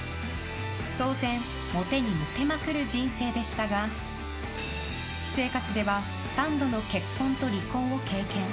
当然、モテにモテまくる人生でしたが私生活では３度の結婚と離婚を経験。